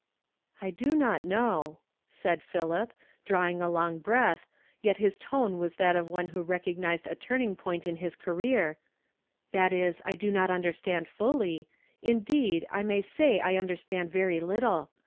" I do not know," said Philip, drawing a long hi eath, yet his tone was that of one who recog nized a turning point in his career; "that is I do not undei staiid full) ; indeed, I may say that I *'HK IIATFf HKNT MK." 165 longf understand very little.